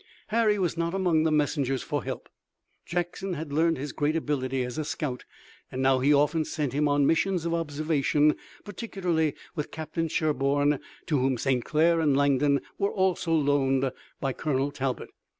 Harry was not among the messengers for help. Jackson had learned his great ability as a scout, and now he often sent him on missions of observation, particularly with Captain Sherburne, to whom St. Clair and Langdon were also loaned by Colonel Talbot.